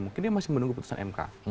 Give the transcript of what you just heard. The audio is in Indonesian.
mungkin dia masih menunggu putusan mk